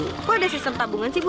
kok ada sistem tabungan sih bu